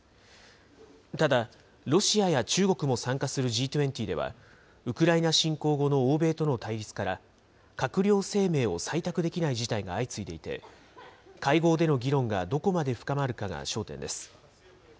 ただ、ロシアや中国も参加するＧ２０では、ウクライナ侵攻後の欧米との対立から、閣僚声明を採択できない事態が相次いでいて、会合での議論がどこまで深まるかが焦点です。